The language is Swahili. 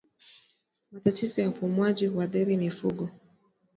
Matatizo ya upumuaji huathiri mifugo